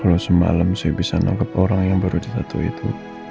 kalau semalam saya bisa nangkep orang yang baru di satu itu